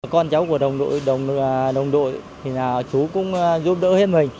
con cháu của đồng đội đồng đội thì chú cũng giúp đỡ hết mình